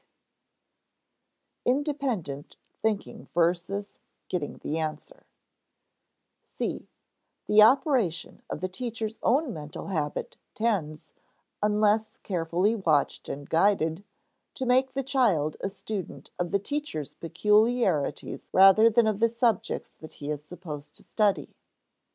[Sidenote: Independent thinking versus "getting the answer"] (c) The operation of the teacher's own mental habit tends, unless carefully watched and guided, to make the child a student of the teacher's peculiarities rather than of the subjects that he is supposed to study.